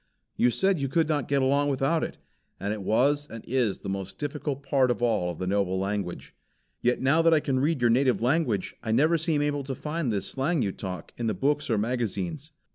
You said you could not get along without it. And it was and is the most difficult part of all the noble language. Yet now that I can read your native language, I never seem able to find this slang you talk in the books or magazines.